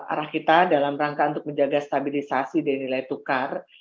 arah kita dalam rangka untuk menjaga stabilisasi dan nilai tukar